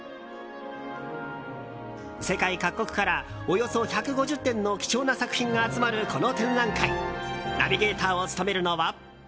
世界各国からおよそ１５０点の貴重な作品が集まるこの展覧会ナビゲーターを務めるのは。